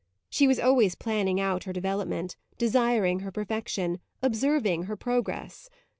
She was always planning out her development, desiring her perfection, observing her progress.